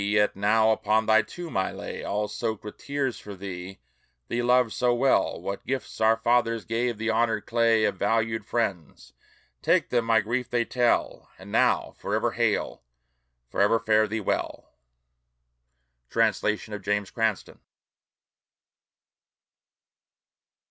yet now upon thy tomb I lay All soaked with tears for thee, thee loved so well What gifts our fathers gave the honored clay Of valued friends; take them, my grief they tell: And now, forever hail! forever fare thee well! Translation of James Cranstoun.